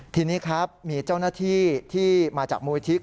ทีนี้ครับมีเจ้าหน้าที่ที่มาจากมูลที่